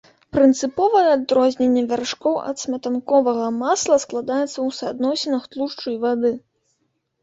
Прынцыповае адрозненне вяршкоў ад сметанковага масла складаецца ў суадносінах тлушчу і вады.